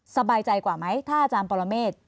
สบายใจกว่าไหมถ้าอาจารย์ปรเมฆ